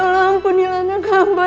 ya allah ampun ilah nyakamba